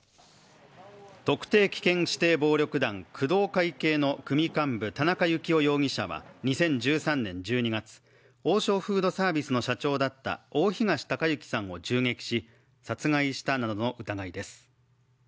特定危険指定暴力団工藤会系の組幹部、田中幸雄容疑者は２０１３年１２月、王将フードサービスの社長だった大東隆行さんを銃撃し、殺害したなどの疑いです。